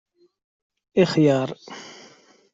Ixyar